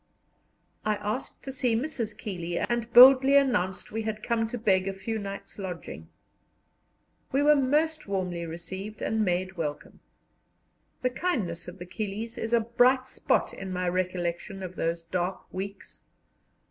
I asked to see Mrs. Keeley, and boldly announced we had come to beg for a few nights' lodging. We were most warmly received and made welcome. The kindness of the Keeleys is a bright spot in my recollections of those dark weeks.